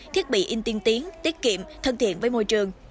thiết bị in tiên tiến tiết kiệm thân thiện với môi trường